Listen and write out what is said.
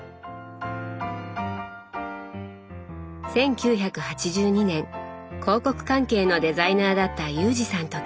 １９８２年広告関係のデザイナーだった裕二さんと結婚。